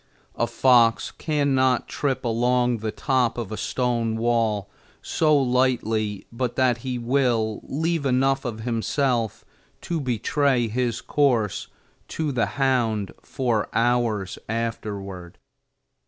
A fox cannot trip along the top of a stone wall so lightly but that he will leave enough of himself to betray his course to the hound for hours afterward.